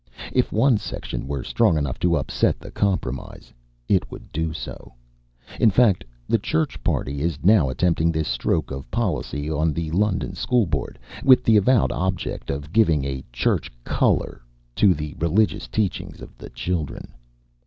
If one section were strong enough to upset the compromise it would do so; in fact, the Church party is now attempting this stroke of policy on the London School Board, with the avowed object of giving a Church color to the religious teaching of the children.